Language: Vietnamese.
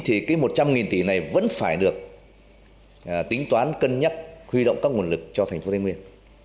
thì một trăm linh tỷ này vẫn phải được tính toán cân nhắc huy động các nguồn lực cho thành phố thái nguyên